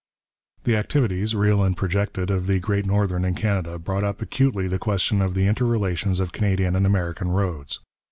The activities, real and projected, of the Great Northern in Canada brought up acutely the question of the interrelations of Canadian and American roads.